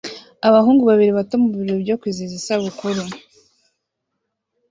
Abahungu babiri bato mubirori byo kwizihiza isabukuru